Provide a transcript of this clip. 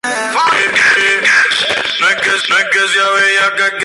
Pero Edward está a punto de tener una segunda oportunidad.